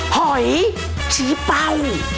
หอยชี้เป้า